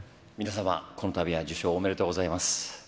皆様、このたびは受賞おめでとうございます。